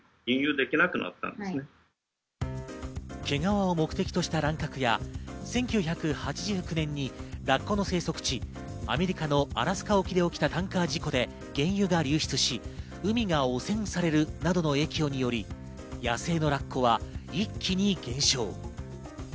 毛皮を目的とした乱獲や１９８９年にラッコの生息地、アメリカのアラスカ沖で起きたタンカー事故で原油が流出し、海が汚染されるなどの影響により、野生のラッコは一気に減少。